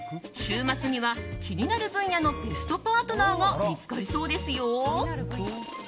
週末には気になる分野のベストパートナーが見つかりそうですよ。